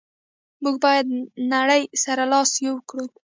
موږ باید نړی سره لاس یو کړو.